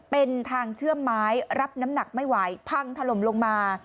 เป็นทางเชื่อมไม้รับน้ำหนักไม่ไหวพังถล่มลงมา